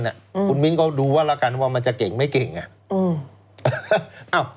อ่ะอืมคุณวิ้งเขาดูว่าแล้วกันว่ามันจะเก่งไม่เก่งอ่ะอืมอ้าว